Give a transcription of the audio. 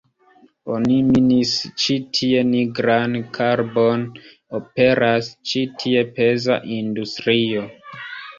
Oni minis ĉi tie nigran karbon, aperas ĉi tie peza industrio.